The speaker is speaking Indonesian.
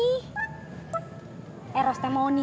eh eros teh mau nikah bulan depan